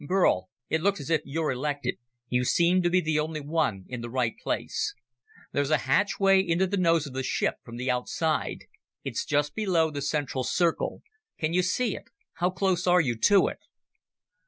"Burl, it looks as if you're elected. You seem to be the only one in the right place. There's a hatchway into the nose of the ship from the outside. It's just below the central circle. Can you see it? How close are you to it?"